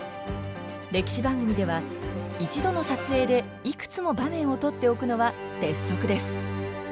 歴史番組では一度の撮影でいくつも場面を撮っておくのは鉄則です。